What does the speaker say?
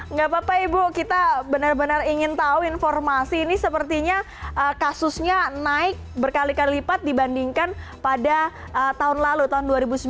nggak apa apa ibu kita benar benar ingin tahu informasi ini sepertinya kasusnya naik berkali kali lipat dibandingkan pada tahun lalu tahun dua ribu sembilan belas